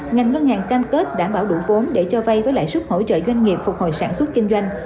ngành ngân hàng cam kết đảm bảo đủ vốn để cho vay với lãi suất hỗ trợ doanh nghiệp phục hồi sản xuất kinh doanh